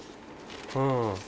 うん。